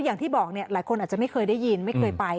อย่างที่บอกหลายคนอาจจะไม่เคยได้ยินไม่เคยไป